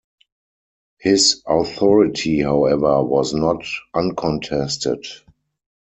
His authority, however, was not uncontested.